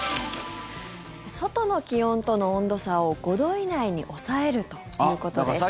外の気温との温度差を５度以内に抑えるということです。